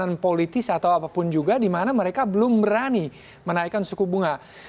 dan politis atau apapun juga dimana mereka belum berani menaikkan suku bunga